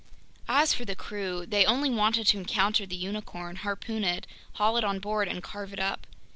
As for the crew, they only wanted to encounter the unicorn, harpoon it, haul it on board, and carve it up.